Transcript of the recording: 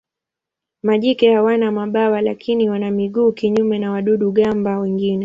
Majike hawana mabawa lakini wana miguu kinyume na wadudu-gamba wengine.